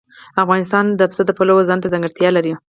افغانستان د پسه د پلوه ځانته ځانګړتیا لري.